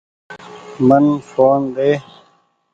ڦون من ۮي۔